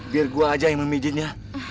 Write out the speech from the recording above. biar gua aja yang memijitnya